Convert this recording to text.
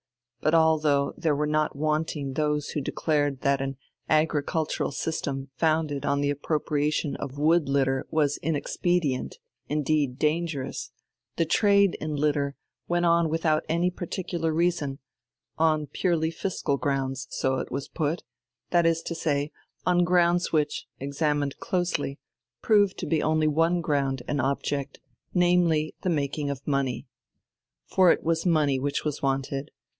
But although there were not wanting those who declared that an agricultural system founded on the appropriation of wood litter was inexpedient, indeed dangerous, the trade in litter went on without any particular reason, on purely fiscal grounds, so it was put that is to say, on grounds which, examined closely, proved to be only one ground and object, namely, the making of money. For it was money which was wanted.